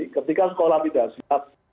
ketika sekolah tidak siap